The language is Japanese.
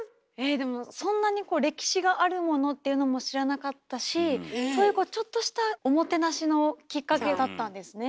そんなに歴史があるものっていうのも知らなかったしそういうちょっとしたおもてなしのきっかけだったんですね。